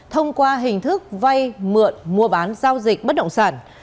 thông qua hình thức vay mượn mua bán giao dịch bất động sản